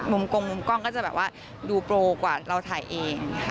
กงมุมกล้องก็จะแบบว่าดูโปรกว่าเราถ่ายเอง